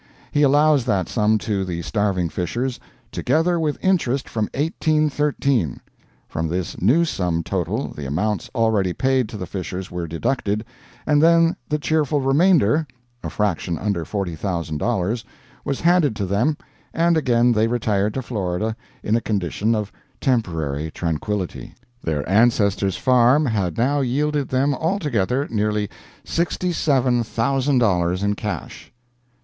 He allows that sum to the starving Fishers, TOGETHER WITH INTEREST FROM 1813. From this new sum total the amounts already paid to the Fishers were deducted, and then the cheerful remainder (a fraction under forty thousand dollars) was handed to them, and again they retired to Florida in a condition of temporary tranquillity. Their ancestor's farm had now yielded them altogether nearly sixty seven thousand dollars in cash.